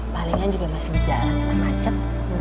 palingnya juga masih di jalanan macet